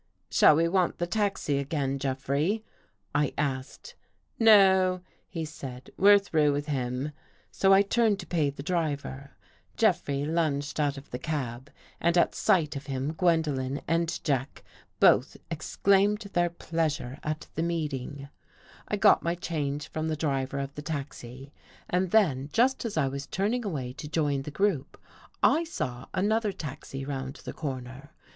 " Shall we want the taxi again, Jeffrey? " I asked. " No," he said. " We're through with him." So I turned to pay the driver. Jeffrey lounged out of the cab and at sight of him, Gwendolen and Jack both exclaimed their pleasure at the meeting. 200 A NIGHT RIDE I got my change from the driver of the tax» and then, just as I was turning away to join the group, I saw another taxi round the corner.